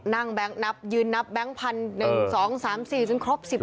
นั่งนับยืนนับแบงค์พันหนึ่งสองสามสี่จนครบสิบเนี่ย